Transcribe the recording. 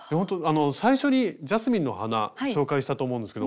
最初に「ジャスミンの花」紹介したと思うんですけど。